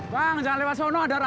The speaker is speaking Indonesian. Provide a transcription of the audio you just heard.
bang jangan lewat sana ada razia